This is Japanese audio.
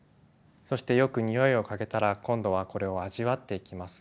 そしてよく匂いを嗅げたら今度はこれを味わっていきます。